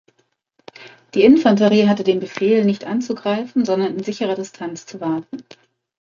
Die Infanterie hatte den Befehl, nicht anzugreifen, sondern in sicherer Distanz zu warten.